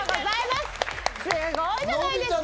すごいじゃないですか！